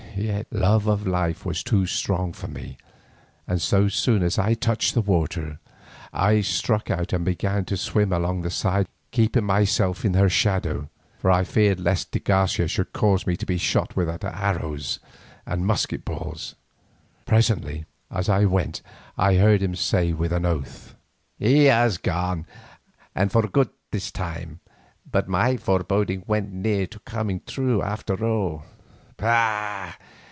Yet love of life was too strong for me, and so soon as I touched the water, I struck out and began to swim along the side of the ship, keeping myself in her shadow, for I feared lest de Garcia should cause me to be shot at with arrows and musket balls. Presently as I went I heard him say with an oath: "He has gone, and for good this time, but my foreboding went near to coming true after all. Bah!